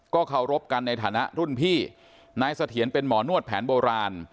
เคารพกันในฐานะรุ่นพี่นายเสถียรเป็นหมอนวดแผนโบราณ